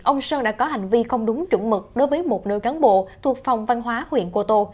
ông sơn đã có hành vi không đúng chuẩn mực đối với một nơi cán bộ thuộc phòng văn hóa huyện cô tô